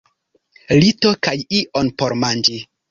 Lito kaj ion por manĝi.